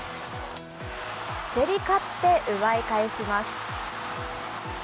競り勝って奪い返します。